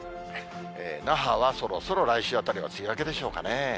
那覇はそろそろ来週あたりは梅雨明けでしょうかね。